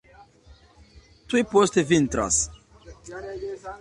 Tuj poste vintras.